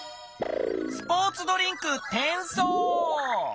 スポーツドリンクてんそう。